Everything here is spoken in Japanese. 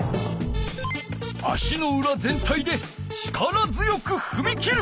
足のうら全体で力強くふみ切る。